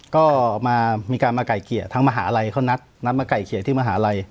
ก็มีการมาไก่เกลี่ยทั้งมหาลัยเขานัดมาไก่เกลี่ยที่มหาลัย